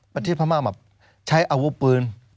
ประเทศพม่าแบบใช้อาวุธปืน